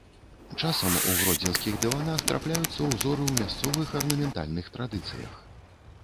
Часам у гродзенскіх дыванах трапляюцца ўзоры ў мясцовых арнаментальных традыцыях.